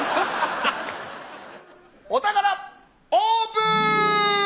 お宝オープン！